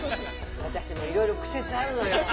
私もいろいろ苦節あるのよ。